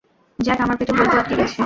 Jack, আমার পেটে বল্টু আটকে গেছে।